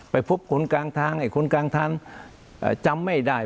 ไปพบคนกลางทางไอ้คนกลางทางจำไม่ได้